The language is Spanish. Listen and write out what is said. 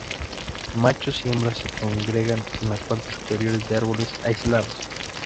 Machos y hembras se congregan en las partes superiores de árboles aislados.